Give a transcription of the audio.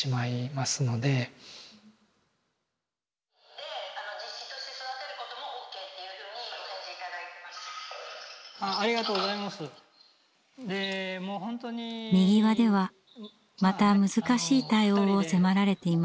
みぎわではまた難しい対応を迫られていました。